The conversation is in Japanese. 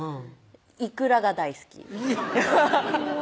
イクラが大好きいやっ